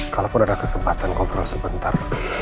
kalaupun ada kesempatan ngobrol sebentar